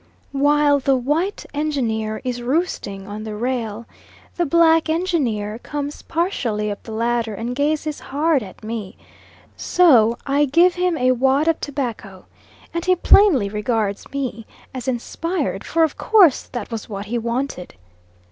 While the white engineer is roosting on the rail, the black engineer comes partially up the ladder and gazes hard at me; so I give him a wad of tobacco, and he plainly regards me as inspired, for of course that was what he wanted.